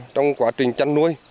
trong quá trình chăn nuôi